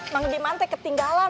bang liman ketinggalan